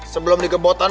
sebelum di gebotan